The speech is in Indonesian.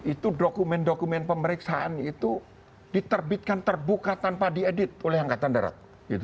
itu dokumen dokumen pemeriksaan itu diterbitkan terbuka tanpa diedit oleh angkatan darat